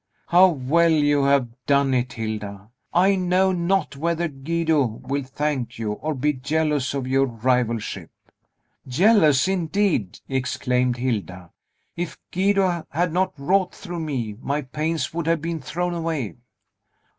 How well you have done it, Hilda! I knot not whether Guido will thank you, or be jealous of your rivalship." "Jealous, indeed!" exclaimed Hilda. "If Guido had not wrought through me, my pains would have been thrown away."